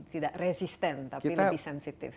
tidak resisten tapi lebih sensitif